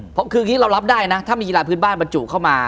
เพราะคืออย่างนี้เรารับได้นะถ้ามีกีฬาพื้นบ้านบรรจุเข้ามา